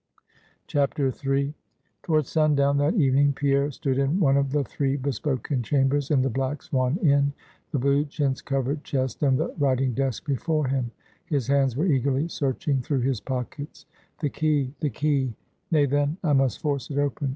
III. Toward sundown that evening, Pierre stood in one of the three bespoken chambers in the Black Swan Inn; the blue chintz covered chest and the writing desk before him. His hands were eagerly searching through his pockets. "The key! the key! Nay, then, I must force it open.